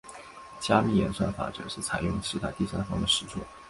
加密演算法则是采用了其他第三方的实作。